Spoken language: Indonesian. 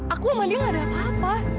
aku sama dia nggak ada apa apa